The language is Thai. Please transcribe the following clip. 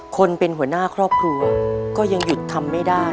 คนเป็นหัวหน้าครอบครัวก็ยังหยุดทำไม่ได้